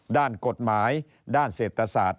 ด้านกฎหมายด้านเศรษฐศาสตร์